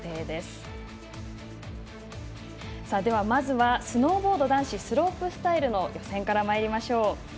ではまずスノーボード男子スロープスタイルの予選からまいりましょう。